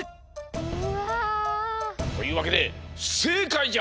うわ！というわけでふせいかいじゃ！